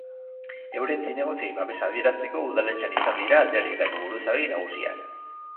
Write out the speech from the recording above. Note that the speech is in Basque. Euren zinegotziei babesa adierazteko udaletxean izan dira alderdietako buruzagi nagusiak.